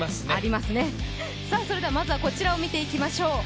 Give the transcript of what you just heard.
まずはこちらを見ていきましょう